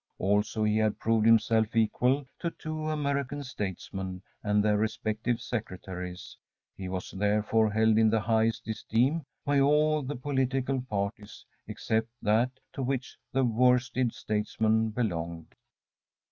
Also he had proved himself equal to two American statesmen and their respective secretaries. He was, therefore, held in the highest esteem by all the political parties except that to which the worsted statesmen belonged.